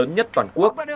nhất toàn quốc